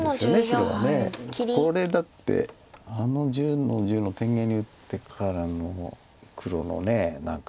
これだってあの１０の十の天元に打ってからの黒の何か。